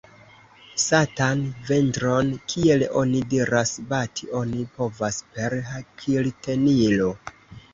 Satan ventron, kiel oni diras, bati oni povas per hakiltenilo.